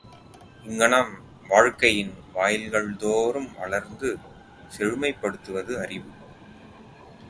இங்ஙனம் வாழ்க்கையின் வாயில்கள் தோறும் வளர்ந்து செழுமைப்படுவது அறிவு.